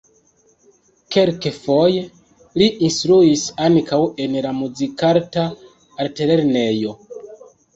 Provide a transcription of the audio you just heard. Kelkfoje li instruis ankaŭ en la Muzikarta Altlernejo.